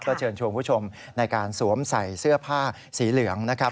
เชิญชวนคุณผู้ชมในการสวมใส่เสื้อผ้าสีเหลืองนะครับ